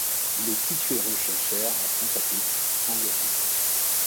Il est situé rue Shoelcher, à Pointe-à-Pitre, en Guadeloupe.